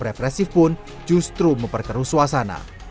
represif pun justru memperkeruh suasana